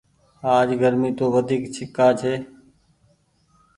آج گرمي تو وڍيڪ ڪآ ڇي۔